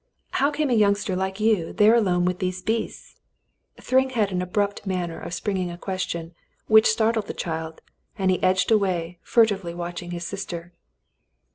How came a youngster like you there alone with those beasts ?" Thryng had an abrupt manner of springing a question which startled the child, and he edged away, furtively watching his sister.